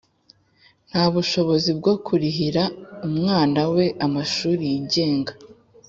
nta bushobozi bwo kurihira umwana we amashuri yigenga.